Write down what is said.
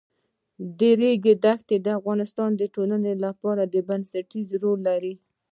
د ریګ دښتې د افغانستان د ټولنې لپاره بنسټيز رول لري.